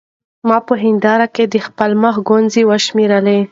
ما په هېنداره کې د خپل مخ ګونځې وشمېرلې.